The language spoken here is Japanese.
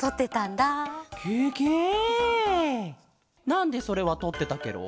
なんでそれはとってたケロ？